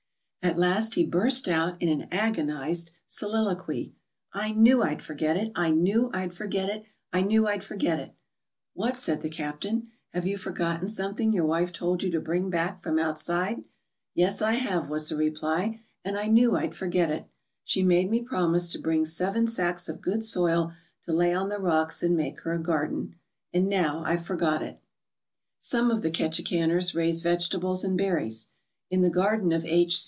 At last he burst out in an agonized soliloquy: "I knew I'd forget it! I knew I'd forget it! I knew I'd forget it!" "What," said the captain, "have you forgotten some thing your wife told you to bring back from outside?" "Yes, I have," was the reply. "And I knew I'd forget it. She made me promise to bring seven sacks of good soil to lay on the rocks and make her a garden. And now I've forgot it." Some of the Ketchikaners raise vegetables and berries. In the garden of H.